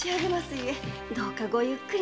故どうかごゆっくり。